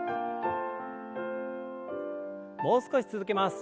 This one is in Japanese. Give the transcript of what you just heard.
もう少し続けます。